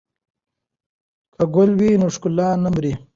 که ګل وي نو ښکلا نه مري.